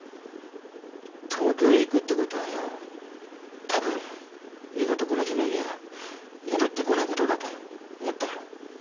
東京へ行くってことはよ多分二度とこの島には戻ってこねえことだと思ったよ。